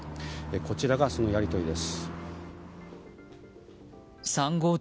こちらがそのやり取りです。